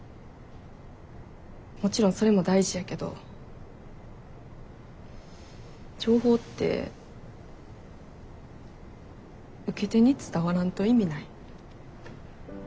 もちろんそれも大事やけど情報って受け手に伝わらんと意味ない。